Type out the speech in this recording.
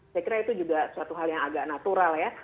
saya kira itu juga suatu hal yang agak natural ya